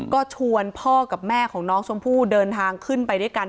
ก็ชวนพ่อกับแม่ของน้องชมพู่เดินทางขึ้นไปด้วยกัน